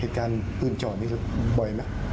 ยืนยันปืนจ่อนี่บ่อยมั้ย